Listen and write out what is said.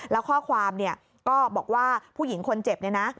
แล้วข้อความเนี่ยก็บอกว่าผู้หญิงคนเจ็บเนี่ยนะ